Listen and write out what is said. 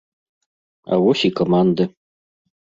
А вось і каманды.